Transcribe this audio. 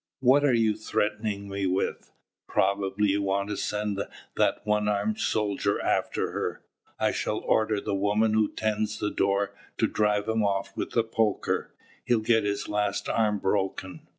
"What are you threatening me with? Probably you want to send that one armed soldier after her. I shall order the woman who tends the door to drive him off with the poker: he'll get his last arm broken."